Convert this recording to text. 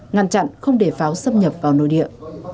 ngăn chặn không để pháo xâm nhập vào nội địa